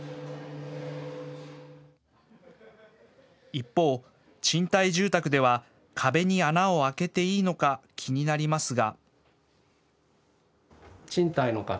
一方、賃貸住宅では壁に穴を開けていいのか気になりますが。